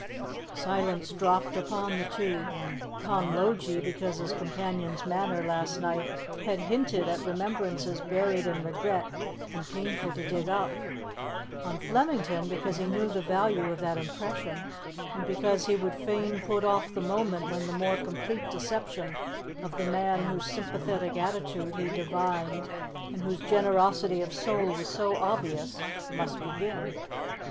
Silence dropped upon the two: upon Logie, because his companion's manner last night had hinted at remembrances buried in regret and painful to dig up; on Flemington, because he knew the value of that impression, and because he would fain put off the moment when the more complete deception of the man whose sympathetic attitude he divined and whose generosity of soul was so obvious, must begin.